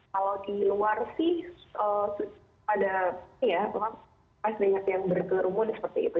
kalau di luar sih ada ya memang banyak yang berkerumun seperti itu